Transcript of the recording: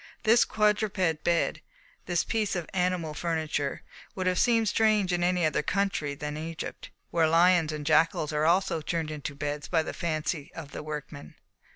This quadruped bed, this piece of animal furniture, would have seemed strange in any other country than Egypt, where lions and jackals are also turned into beds by the fancy of the workmen.